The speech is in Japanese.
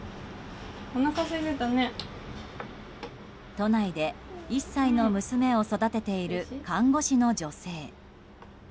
都内で１歳の娘を育てている看護師の女性。